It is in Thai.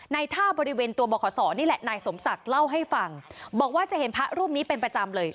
ท่าบริเวณตัวบขศนี่แหละนายสมศักดิ์เล่าให้ฟังบอกว่าจะเห็นพระรูปนี้เป็นประจำเลย